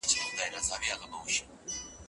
پولیس وویل چي موږ غل نیولی دی.